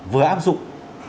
vừa áp dụng